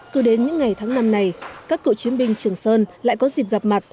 cứ đến những ngày tháng năm này các cựu chiến binh trường sơn lại có dịp gặp mặt